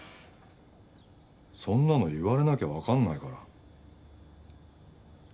そんなの言われなきゃわかんないから。